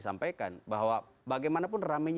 sampaikan bahwa bagaimanapun rame